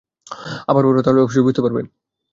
আবার পড়, তাহলে অবশ্যই বুঝতে পারবে।